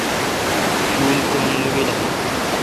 شول کم نہ بیل اؘ۔